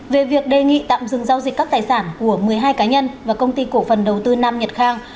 về việc đề nghị tạm dừng giao dịch các tài sản của một mươi hai cá nhân và công ty cổ phần đầu tư nam nhật khang